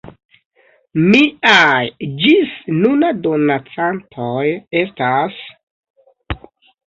Miaj ĝis nuna donacantoj estas:...